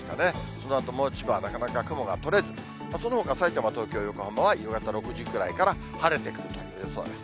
そのあとも千葉はなかなか雲が取れず、そのほか、さいたま、東京、横浜は、夕方６時ぐらいから晴れてくるという予想です。